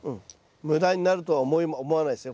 無駄になるとは思わないですね。